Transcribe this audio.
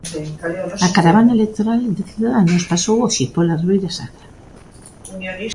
A caravana electoral de Ciudadanos pasou hoxe pola Ribeira Sacra.